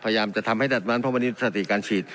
พยายามจะทำให้ดัดนั้นเพราะวันนี้สติการฉีด